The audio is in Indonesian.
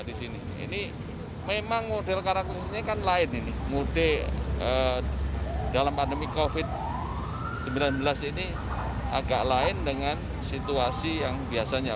sembilan belas ini agak lain dengan situasi yang biasanya